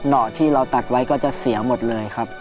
ดอกที่เราตัดไว้ก็จะเสียหมดเลยครับ